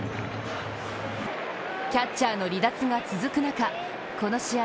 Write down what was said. キャッチャーの離脱が続く中この試合